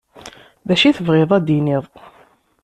D acu i tebɣiḍ ad d-iniḍ.